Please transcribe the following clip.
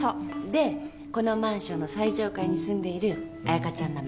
でこのマンションの最上階に住んでいる彩香ちゃんママ。